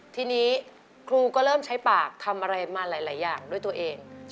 ทีนี้ครูก็เริ่มใช้ปากทำอะไรมาหลายอย่างด้วยตัวเอง